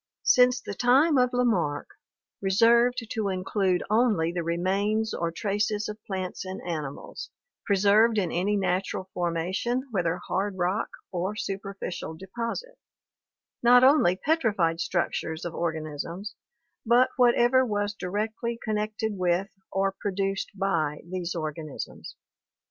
Since the time of Lamarck reserved to include only the remains or traces of plants and animals, preserved in any natural formation whether hard rock or superficial deposit, not only petrified structures of organisms but whatever was directly connected with or produced by these organisms."